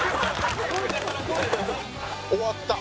終わった。